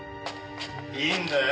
いいんだよ